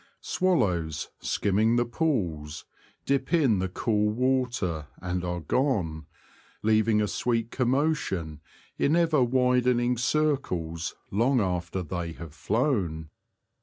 Swallows, skimming the pools, dip in the cool water, and are gone — leaving a sweet commotion in ever widening circles long after they have flown.